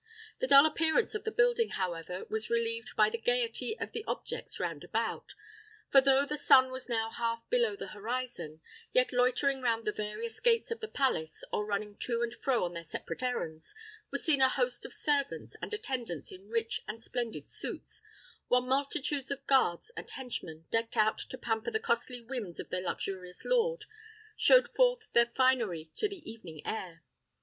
The dull appearance of the building, however, was relieved by the gaiety of the objects round about; for though the sun was now half below the horizon, yet loitering round the various gates of the palace, or running to and fro on their separate errands, was seen a host of servants and attendants in rich and splendid suits, while multitudes of guards and henchmen, decked out to pamper the costly whims of their luxurious lord, showed forth their finery to the evening air.